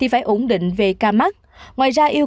hải phòng giảm hai ba mươi hai